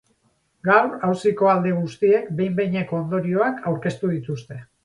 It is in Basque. Gaur auziko alde guztiek behin-behineko ondorioak aurkeztu dituzte.